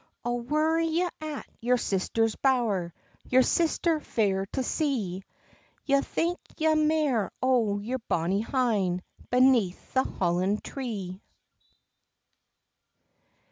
"O were ye at your sister's bower, Your sister fair to see, Ye'll think na mair o your bonny hyn Beneath the hollin tree."